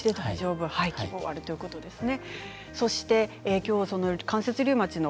希望があるということですね。